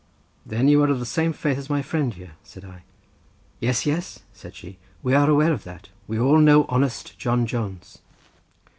"Then you are of the same faith as my friend here," said I. "Yes, yes," said she, "we are aware of that. We all know honest John Jones."